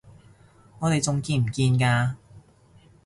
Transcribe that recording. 我哋仲見唔見㗎？